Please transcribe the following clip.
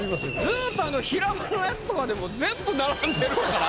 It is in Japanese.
ずっと平場のやつとかでも全部並んでるから。